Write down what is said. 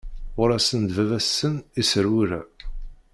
Yuɣ-asen-d baba-tsen iserwula.